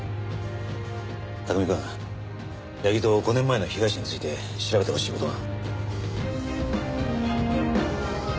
拓海くん矢木と５年前の被害者について調べてほしい事が。